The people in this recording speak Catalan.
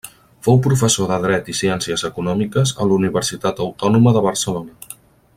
Fou professor de dret i ciències econòmiques a la Universitat Autònoma de Barcelona.